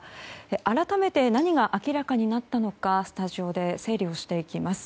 改めて、何が明らかになったのかスタジオで整理をしていきます。